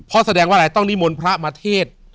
เพราะแสดงว่าอะไรต้องนิมนต์พระมาเทศ